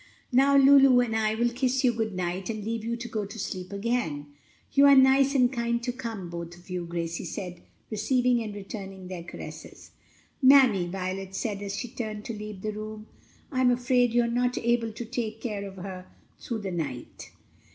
Now Lulu and I will kiss you good night and leave you to go to sleep again." "You are nice and kind to come, both of you," Gracie said, receiving and returning their caresses. "Mammy," Violet said as she turned to leave the room, "I'm afraid you are not able to take the care of her through the night."